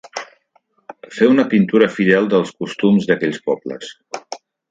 Fer una pintura fidel dels costums d'aquells pobles.